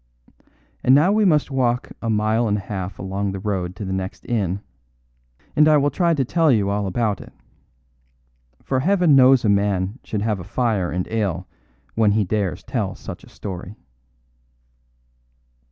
And now we must walk a mile and a half along the road to the next inn, and I will try to tell you all about it. For Heaven knows a man should have a fire and ale when he dares tell such a story."